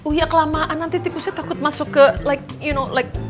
uya kelamaan nanti tikusnya takut masuk ke like you know ke kolong